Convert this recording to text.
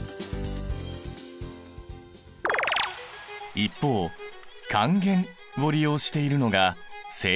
一方還元を利用しているのが製鉄所だ。